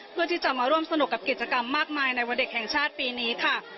เพื่อที่จะมาร่วมสนุกกับกิจกรรมมากมายในวันเด็กแห่งชาติปีนี้ค่ะ